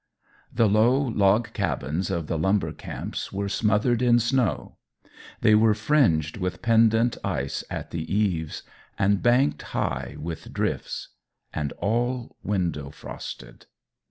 The low log cabins of the lumber camps were smothered in snow; they were fringed with pendant ice at the eaves, and banked high with drifts, and all window frosted.